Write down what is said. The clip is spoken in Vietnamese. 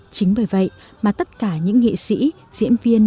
chính bởi vậy mà tất cả những nghệ sĩ diễn viên